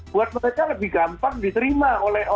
buat mereka lebih gampang diterima